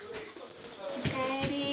おかえり。